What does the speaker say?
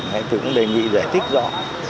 hãy tự đề nghị giải thích rõ